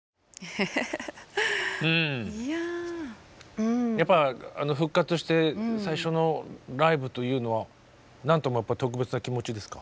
うんやっぱり復活して最初のライブというのは何ともやっぱり特別な気持ちですか？